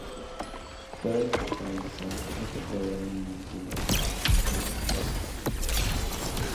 Peret protagonizó este programa en el que le acompañaron Bruno Lomas y Gloria.